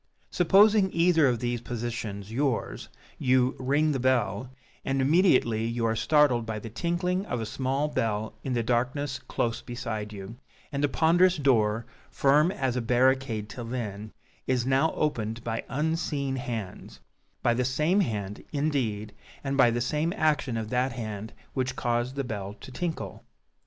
Supposing either of these positions yours, you "ring the bell," and immediately you are startled by the tinkling of a small bell in the darkness close beside you, and the ponderous door, firm as a barricade till then, is now opened by unseen hands by the same hand, indeed, and by the same action of that hand which caused the bell to tinkle.